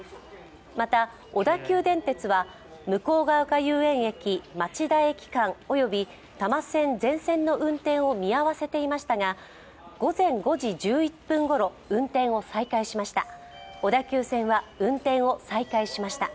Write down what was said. また小田急電鉄は向ヶ丘遊園駅−町田駅間、及び多摩線全線の運転を見合わせていましたが午前５時１１分ごろ、運転を再開しました。